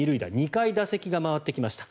２回打席が回ってきました。